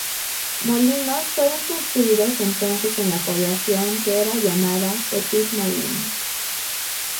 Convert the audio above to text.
Molinos fueron construidos entonces en la población que era llamada Petit-Moulin.